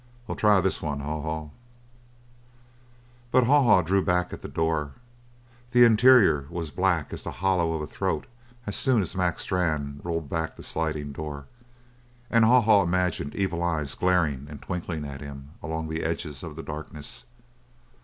We'll try this one, Haw Haw." But Haw Haw drew back at the door. The interior was black as the hollow of a throat as soon as Mac Strann rolled back the sliding door, and Haw Haw imagined evil eyes glaring and twinkling at him along the edges of the darkness.